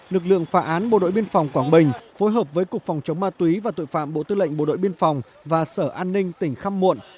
lực lượng phá án bộ đội biên phòng quảng bình phối hợp với cục phòng chống ma túy và tội phạm bộ tư lệnh bộ đội biên phòng và sở an ninh tỉnh khăm muộn